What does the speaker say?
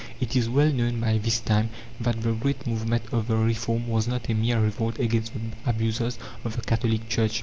It is well known by this time that the great movement of the reform was not a mere revolt against the abuses of the Catholic Church.